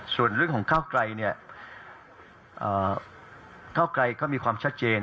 ส่วนเรื่องของก้าวไกลเนี่ยก้าวไกลก็มีความชัดเจน